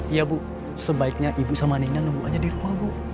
iya bu sebaiknya ibu sama nina nemu aja di rumah bu